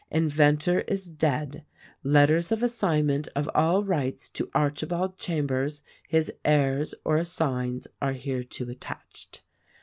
INVENTOR IS DEAD. LET TERS OF ASSIGNMENT OF ALL RIGHTS TO AR CHIBALD CHAMBERS; HIS HEIRS OR ASSIGNS ARE HERETO ATTACHED."